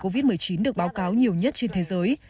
biến thể covid một mươi chín được báo cáo nhiều nhất trên thế giới